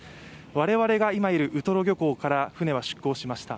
我々が今いるウトロ漁港から船は出航しました。